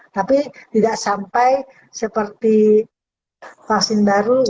tapi tidak sampai seperti vaksin baru